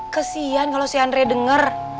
kesian kalau si andre denger